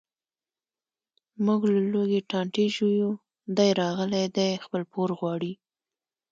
موږ له لوږې ټانټې ژویو، دی راغلی دی خپل پور غواړي.